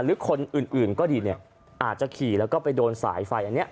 หรือคนอื่นก็ดีเนี่ยอาจจะขี่แล้วก็ไปโดนสายไฟอันนี้